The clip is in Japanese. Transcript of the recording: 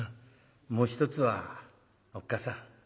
もう一つはおっ母さん。